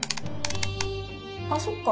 あそっか。